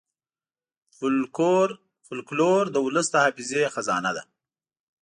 فلکور د ولس د حافظې خزانه ده.